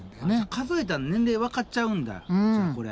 数えたら年齢わかっちゃうんだじゃあこれ。